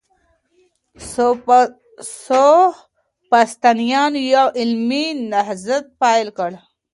سوفسطائيانو يو علمي نهضت پيل کړ.